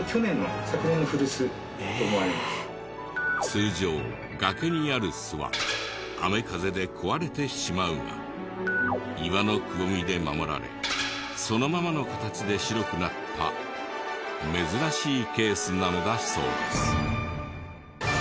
通常崖にある巣は雨風で壊れてしまうが岩のくぼみで守られそのままの形で白くなった珍しいケースなのだそうです。